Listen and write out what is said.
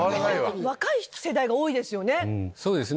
若い世代が多いですよね。